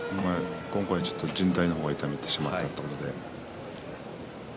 今度は、じん帯の方を痛めてしまったということで。